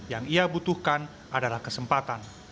yang ia butuhkan adalah kesempatan